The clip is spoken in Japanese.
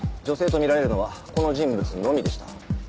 女性とみられるのはこの人物のみでした。